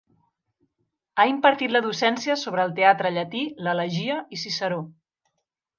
Ha impartit la docència sobre el teatre llatí, l'elegia i Ciceró.